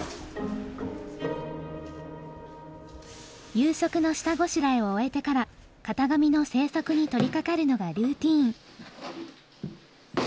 夕食の下ごしらえを終えてから型紙の制作に取りかかるのがルーティーン。